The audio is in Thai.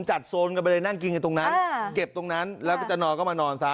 โซนกันไปเลยนั่งกินกันตรงนั้นเก็บตรงนั้นแล้วก็จะนอนก็มานอนซะ